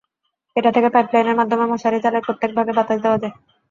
এটা থেকে পাইপলাইনের মাধ্যমে মশারি জালের প্রত্যেক ভাগে বাতাস দেওয়া যায়।